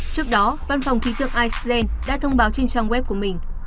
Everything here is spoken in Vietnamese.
trước đó văn phòng khí tượng iceland đã thông báo trên trang web của mình